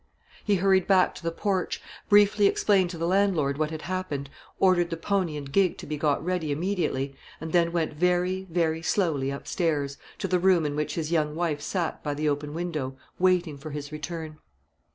He hurried back to the porch, briefly explained to the landlord what had happened, ordered the pony and gig to be got ready immediately, and then went very, very slowly upstairs, to the room in which his young wife sat by the open window waiting for his return.